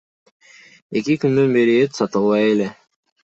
Эки күндөн бери эт сатылбай эле.